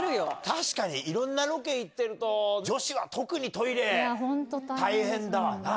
確かにいろんなロケ行ってると、女子は特にトイレ、大変だわな。